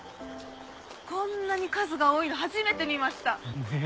こんなに数が多いの初めて見ました！ねえ。